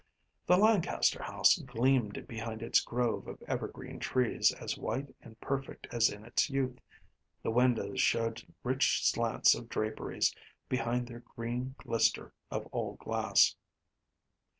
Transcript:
The Lancaster house gleamed behind its grove of evergreen trees as white and perfect as in its youth. The windows showed rich slants of draperies behind their green glister of old glass.